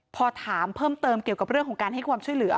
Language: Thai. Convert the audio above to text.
พอถามเพิ่มเติมเกี่ยวกับเรื่องของการให้ความช่วยเหลือ